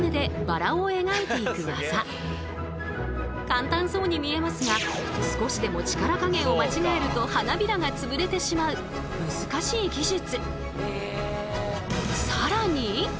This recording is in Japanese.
簡単そうに見えますが少しでも力加減を間違えると花びらが潰れてしまう難しい技術。